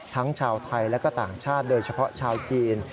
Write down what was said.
ทั้งชาวไทยและก็ต่างชาติโดยเฉพาะชาวจีน